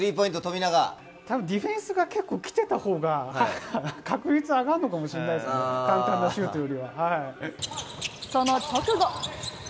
たぶんディフェンスが、結構、来てたほうが確率上がるのかもしれないですね、簡単なシュその直後。